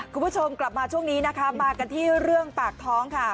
คุณผู้ชมกลับมาช่วงนี้นะคะมากันที่เรื่องปากท้องค่ะ